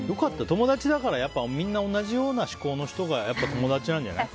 友達だからみんな同じような思考の人がやっぱり友達なんじゃない？